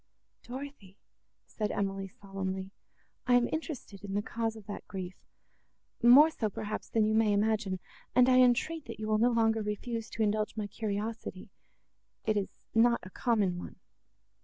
"Dorothée!" said Emily solemnly, "I am interested in the cause of that grief, more so, perhaps, than you may imagine; and I entreat, that you will no longer refuse to indulge my curiosity;—it is not a common one."